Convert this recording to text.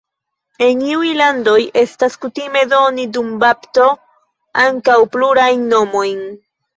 En iuj landoj estas kutime doni dum bapto ankaŭ plurajn nomojn.